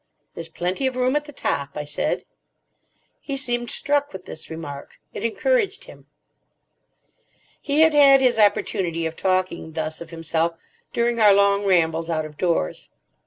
"There's plenty of room at the top," I said. He seemed struck with this remark. It encouraged him. He had had his opportunity of talking thus of himself during our long rambles out of doors.